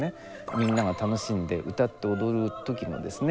みんなが楽しんで歌って踊る時のですね